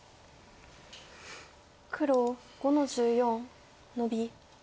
黒５の十四ノビ。